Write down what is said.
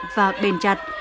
và bền chặt